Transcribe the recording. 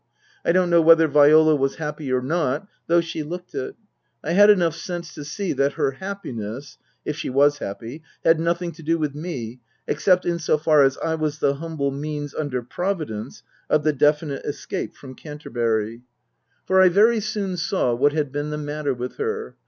I don't know whether Viola was happy or not, though she looked it. I had enough sense to see that her happiness, if she was happy, had nothing to do with me except in so far as I was the humble means, under Providence, of the definite escape from Canterbury. 2* 20 Tasker Jevons For I very soon saw what had been the matter with her.